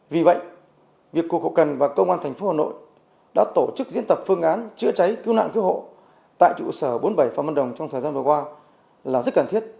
vì vậy việc cục hậu cần và công an tp hà nội đã tổ chức diễn tập phương án chữa cháy cứu nạn cứu hộ tại trụ sở bốn mươi bảy phạm văn đồng trong thời gian vừa qua là rất cần thiết